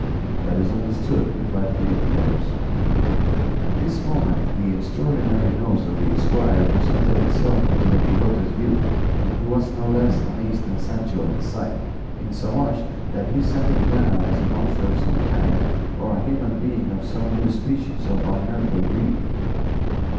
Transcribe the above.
"That is understood," replied he of the Mirrors. At this moment the extraordinary nose of the squire presented itself to Don Quixote's view, and he was no less amazed than Sancho at the sight; insomuch that he set him down as a monster of some kind, or a human being of some new species or unearthly breed.